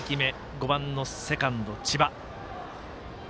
５番のセカンド、千葉。